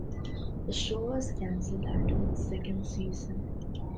The show was cancelled after its second season.